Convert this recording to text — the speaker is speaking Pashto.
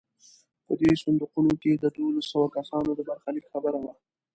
په دې صندوقونو کې د دولس سوه کسانو د برخلیک خبره وه.